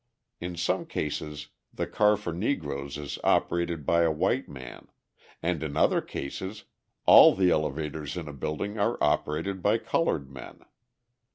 In some cases the car for Negroes is operated by a white man, and in other cases, all the elevators in a building are operated by coloured men.